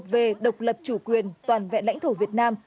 về độc lập chủ quyền toàn vẹn lãnh thổ việt nam